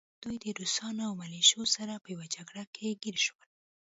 دوی د روسانو او ملیشو سره په يوه جګړه کې ګیر شول